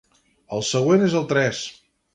El següent és el tres.